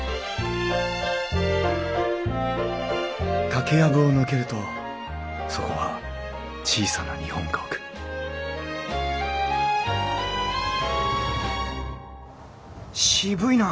竹やぶを抜けるとそこは小さな日本家屋渋いな！